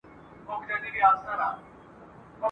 په واشنګټن کي ..